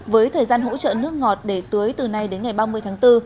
với thời gian hỗ trợ nước ngọt để tưới từ nay đến ngày ba mươi tháng bốn